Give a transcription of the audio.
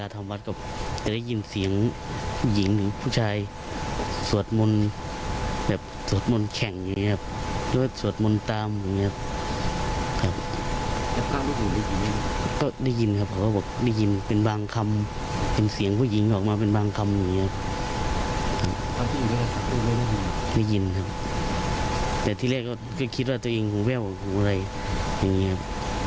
แต่ที่แรกก็คิดว่าตัวเองหูแว่วหูอะไรอย่างนี้ครับ